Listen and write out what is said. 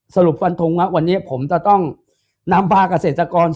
สรุปฟันทงว่าวันนี้ผมจะต้องนำพาเกษตรกร